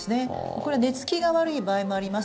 これは寝付きが悪い場合もあります。